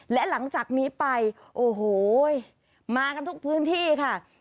และหลังจากนี้ไปโอ้โหมากันทุกพื้นที่ค่ะ